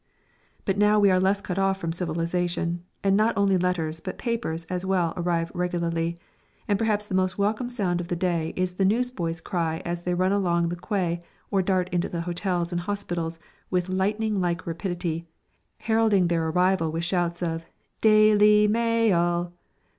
But now we are less cut off from civilisation, and not only letters but papers as well arrive regularly; and perhaps the most welcome sound of the day is the newsboys' cry as they run along the quay or dart into hotels and hospitals with lightning like rapidity, heralding their arrival with shouts of "_Dailee Mai il!